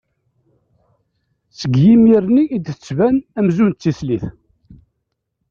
Seg yimir-nni i d-tettban amzun d tislit.